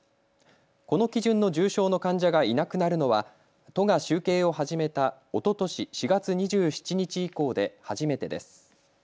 この基準の重症の患者がいなくなるのは都が集計を始めたおととし４月２７日以降で初めてです。